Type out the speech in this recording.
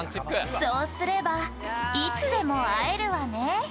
「そうすればいつでも会えるわね」